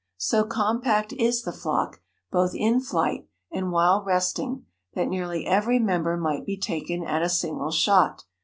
So compact is the flock, both in flight and while resting, that nearly every member might be taken at a single shot.